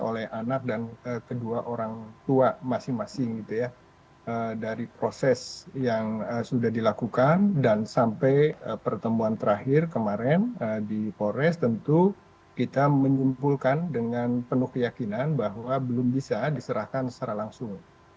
oleh anak dan kedua orang tua masing masing gitu ya dari proses yang sudah dilakukan dan sampai pertemuan terakhir kemarin di polres tentu kita menyimpulkan dengan penuh keyakinan bahwa belum bisa diserahkan secara langsung